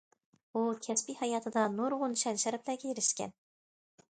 ئۇ كەسپىي ھاياتىدا نۇرغۇن شان شەرەپلەرگە ئېرىشكەن.